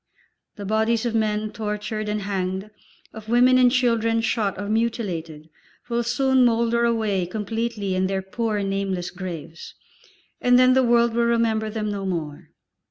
The bodies of men tortured and hanged, of women and children shot or mutilated, will soon moulder away completely in their poor, nameless graves, and then the world will remember them no more.